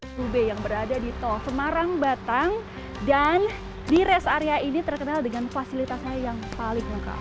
area tiga ratus sepuluh b yang berada di toh semarang batang dan di rest area ini terkenal dengan fasilitasnya yang paling lengkap